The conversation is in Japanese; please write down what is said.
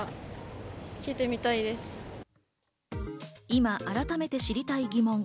今、改めて知りたい疑問。